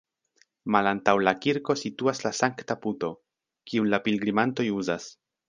Malantaŭ la kirko situas la sankta puto, kiun la pilgrimantoj uzas.